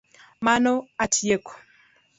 Mano atieko